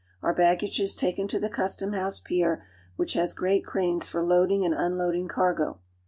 Our baggage is taken to the custom house pier, which has great cranes for loading and unload ing cargo.